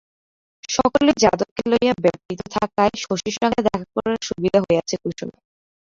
সকলে যাদবকে লইয়া ব্যাপৃত থাকায় শশীর সঙ্গে দেখা করার সুবিধা হইয়াছে কুসুমের।